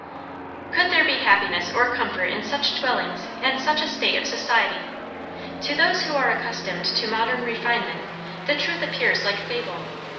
"Could there be happiness or comfort in such dwellings and such a state of society. To those who are accustomed to modern refinement the truth appears like fable.